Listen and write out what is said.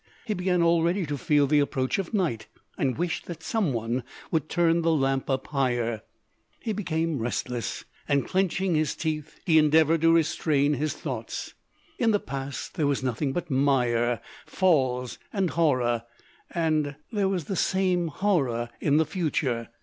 He began already to feel the approach of night, and wished that some one would turn the lamp up higher. He became restless, and, clenching his teeth, he endeavoured to restrain his thoughts. In the past there was nothing but mire, falls, and horror, and—there was the same horror in the future.